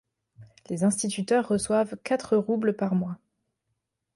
Les instituteurs reçoivent quatre roubles par mois.